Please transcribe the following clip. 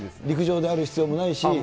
陸上である必要もないし。